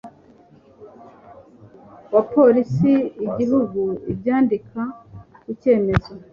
wa polisi y igihugu abyandika ku cyemezo